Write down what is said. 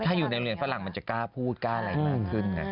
ถ้าอยู่ในโรงเรียนฝรั่งมันจะกล้าพูดกล้าอะไรมากขึ้นนะ